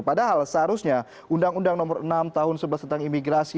padahal seharusnya undang undang no enam tahun dua ribu sebelas tentang imigrasi